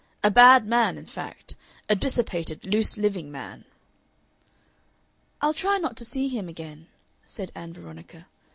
A bad man, in fact. A dissipated, loose living man." "I'll try not to see him again," said Ann Veronica.